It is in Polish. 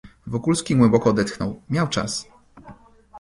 "Wokulski głęboko odetchnął; miał czas."